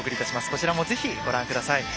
こちらもぜひご覧ください。